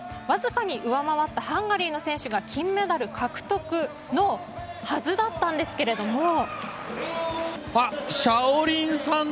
わずかに上回ったハンガリーの選手が金メダル獲得のはずだったんですけれども。